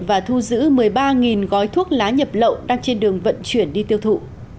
và thu giữ một mươi ba gói thuốc lá nhập lậu đang trên đường vận chuyển đi tiêu thụ